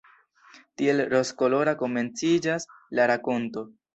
Tiel rozkolora komenciĝas la rakonto.